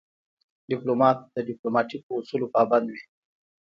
ډيپلومات د ډیپلوماتیکو اصولو پابند وي.